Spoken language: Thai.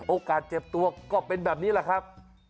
เจ็บตัวก็เป็นแบบนี้แหละครับ